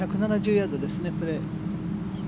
１７０ヤードですねプレー。